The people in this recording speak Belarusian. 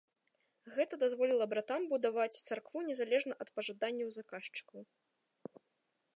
Гэта дазволіла братам будаваць царкву незалежна ад пажаданняў заказчыкаў.